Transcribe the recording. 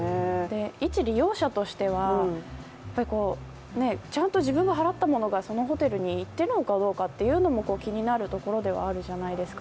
一利用者としてはちゃんと自分が払ったものがそのホテルに行ってるのかどうかというのも気になるところじゃないですか。